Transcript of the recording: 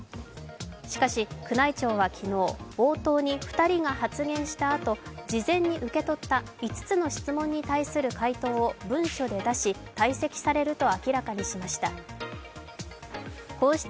しかし、宮内庁は昨日冒頭に２人が発言したあと事前に受け取った５つの質問に対する回答を文書で出し、退席されると明らかにしました。